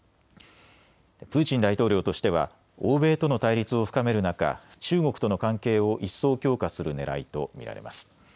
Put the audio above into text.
プーチン大統領としては欧米との対立を深める中、中国との関係を一層、強化するねらいと見られます。